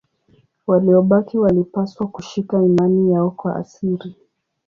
Waliobaki walipaswa kushika imani yao kwa siri.